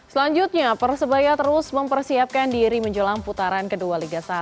selanjutnya persebaya terus mempersiapkan diri menjelang putaran kedua liga satu